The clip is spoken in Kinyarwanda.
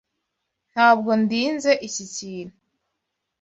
Ntabwo ndinze iki kintu.